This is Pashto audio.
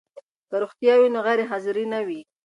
که روغتیا وي نو غیر حاضري نه وي.